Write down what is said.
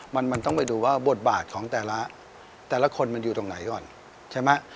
มันมันต้องไปดูว่าบทบาทของแต่ละแต่ละคนมันอยู่ตรงไหนก่อนใช่ไหม